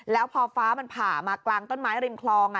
แล้วพอฟ้ามันผ่ามากลางต้นไม้ริมคลอง